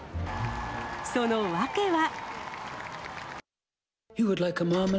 その訳は。